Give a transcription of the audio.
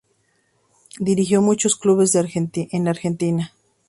Dirigió muchos clubes en la Argentina.